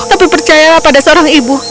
tapi percayalah pada seorang ibu